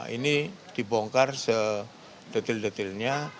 ini dibongkar sedetil detilnya